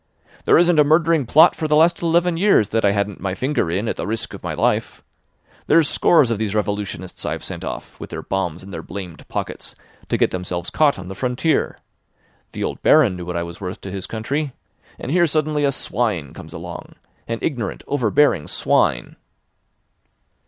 "There isn't a murdering plot for the last eleven years that I hadn't my finger in at the risk of my life. There's scores of these revolutionists I've sent off, with their bombs in their blamed pockets, to get themselves caught on the frontier. The old Baron knew what I was worth to his country. And here suddenly a swine comes along—an ignorant, overbearing swine."